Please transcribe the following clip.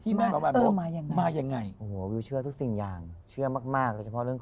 ที่แม่มายังไงวิวเชื่อทุกสิ่งอย่างเชื่อมากเฉพาะเรื่อง